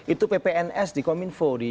itu ppns di kominfo